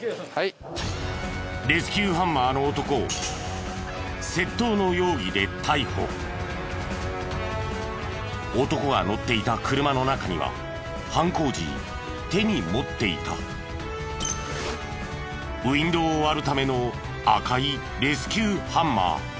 レスキューハンマーの男を男が乗っていた車の中には犯行時手に持っていたウィンドーを割るための赤いレスキューハンマー。